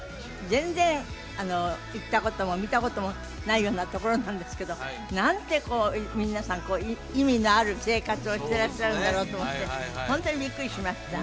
全然行ったことも見たこともないようなところなんですけどなんてこう皆さん意味のある生活をしてらっしゃるんだろうと思ってホントにビックリしました